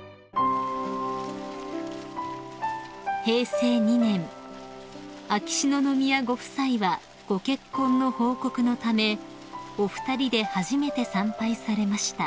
［平成２年秋篠宮ご夫妻はご結婚の報告のためお二人で初めて参拝されました］